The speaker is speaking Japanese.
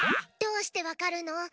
どうしてわかるの？